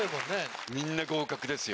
みんな合格ですよ。